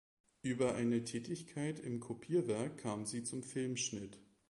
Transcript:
Über eine Tätigkeit im Kopierwerk kam sie zum Filmschnitt.